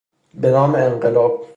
به نام انقلاب